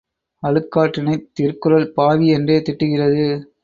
அழுக்காற்றினைத் திருக்குறள் பாவி என்றே திட்டுகிறது.